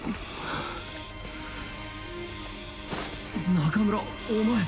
中村お前。